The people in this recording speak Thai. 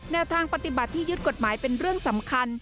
แนวทางปฏิบัติที่ยึดกฎหมายเป็นเรื่องสำคัญ